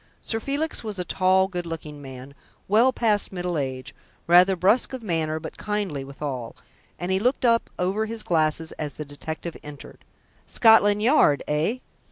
Sir Felix was a tall, good looking man, well past middle age, rather brusque of manner but kindly withal, and he looked up over his glasses as the detective entered. "Scotland Yard, eh?"